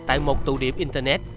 tại một tụ điểm internet